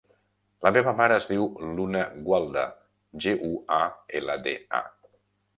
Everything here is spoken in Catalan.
La meva mare es diu Luna Gualda: ge, u, a, ela, de, a.